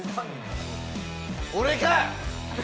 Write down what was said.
俺か！